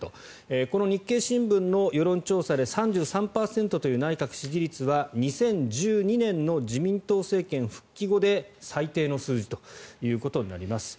この日経新聞の世論調査で３３％という内閣支持率は２０１２年の自民党政権復帰後で最低の数字ということになります。